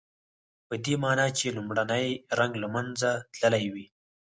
پدې معنی چې لومړنی رنګ له منځه تللی وي.